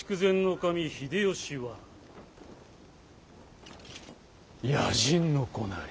守秀吉は野人の子なり」。